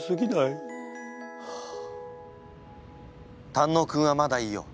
胆のうくんはまだいいよ。